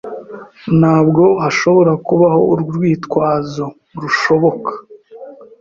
Ntabwo hashobora kubaho urwitwazo rushoboka.